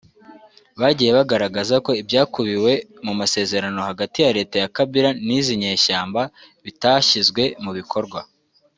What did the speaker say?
bagiye bagaragaza ko ibyakubiwe mu masezerano hagati ya Leta ya Kabila n’izi nyeshyamba bitashyizwe mu bikorwa